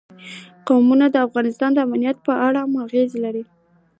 قومونه د افغانستان د امنیت په اړه هم اغېز لري.